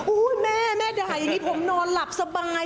โอ้เฮ้แม่ใดด่ายังงี้ผมนอนหลับสบาย